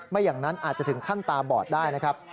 ไม่อย่างนั้นอาจจะถึงขั้นตาบอดได้นะครับ